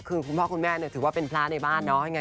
คือคุณพ่อคุณแม่เนี่ยถือว่าเป็นพระในบ้านเนาะ